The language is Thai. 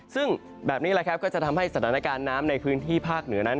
ซึ่งแบบนี้แหละครับก็จะทำให้สถานการณ์น้ำในพื้นที่ภาคเหนือนั้น